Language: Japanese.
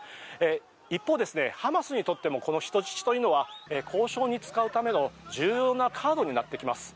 一方、ハマスにとってもこの人質というのは交渉に使うための重要なカードになってきます。